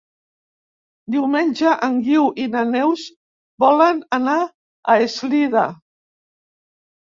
Diumenge en Guiu i na Neus volen anar a Eslida.